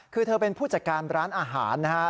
คือเธอเป็นผู้จัดการร้านอาหารนะฮะ